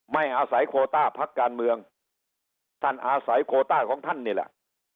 ไม่อาศัยโคต้าพักการเมืองท่านอาศัยโคต้าของท่านนี่แหละ